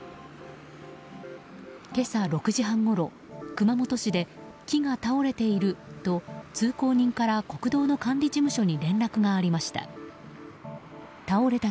今朝６時半ごろ熊本市で、木が倒れていると通行人から国道の管理事務所に連絡がありました。